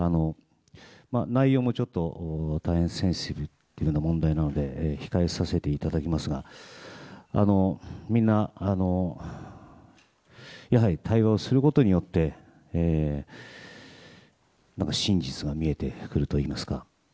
内容も大変センシティブな問題なので控えさせていただきますがやはり、対応することによって真実が見えてくるといいますか。